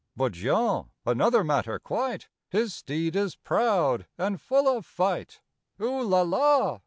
But Jean—another matter, quite! His steed is proud and full of fight. ''Oo la la!"